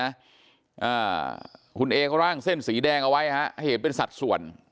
อ่าคุณเอเขาร่างเส้นสีแดงเอาไว้ฮะให้เห็นเป็นสัดส่วน